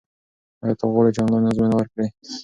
ایا ته غواړې چې آنلاین ازموینه ورکړې؟